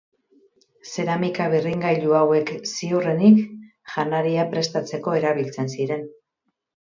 Zeramika birringailu hauek ziurrenik janaria prestatzeko erabiltzen ziren.